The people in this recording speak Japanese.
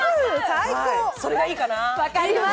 それがいいかな。